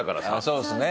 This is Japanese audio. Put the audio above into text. そうですね。